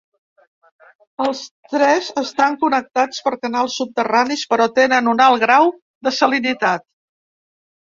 Els tres estan connectats per canals subterranis però tenen un alt grau de salinitat.